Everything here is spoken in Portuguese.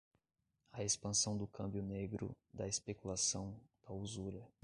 a expansão do cambio negro, da especulação, da usura